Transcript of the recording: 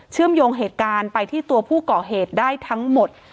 เชื่อมโยงเหตุการณ์ไปที่ตัวผู้ก่อเหตุได้ทั้งหมด